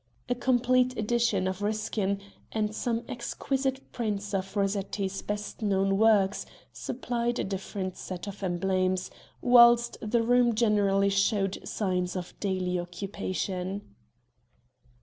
A complete edition of Ruskin, and some exquisite prints of Rossetti's best known works, supplied a different set of emblems, whilst the room generally showed signs of daily occupation.